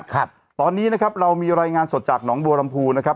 ครับตอนนี้นะครับเรามีรายงานสดจากหนองบัวลำพูนะครับ